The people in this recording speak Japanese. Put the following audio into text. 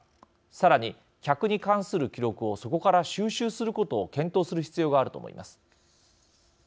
さらに、客に関する記録をそこから収集することを検討する必要があると思います。